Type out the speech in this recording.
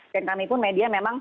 dan kami pun media memang